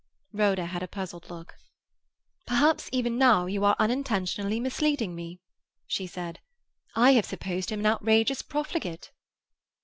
Rhoda had a puzzled look. "Perhaps even now you are unintentionally misleading me," she said. "I have supposed him an outrageous profligate."